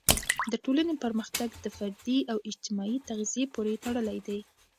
د ټولنې پرمختګ د فردي او اجتماعي تغذیې پورې تړلی دی.